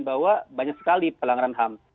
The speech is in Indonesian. bahwa banyak sekali pelanggaran ham